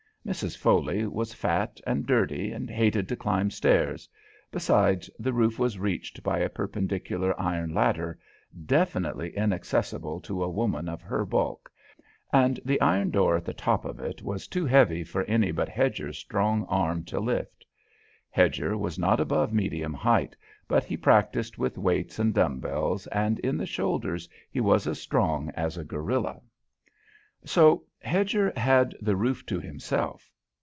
Mrs. Foley was fat and dirty and hated to climb stairs, besides, the roof was reached by a perpendicular iron ladder, definitely inaccessible to a woman of her bulk, and the iron door at the top of it was too heavy for any but Hedger's strong arm to lift. Hedger was not above medium height, but he practised with weights and dumb bells, and in the shoulders he was as strong as a gorilla. So Hedger had the roof to himself.